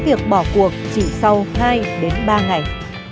việc bỏ cuộc chỉ sau hai đến ba ngày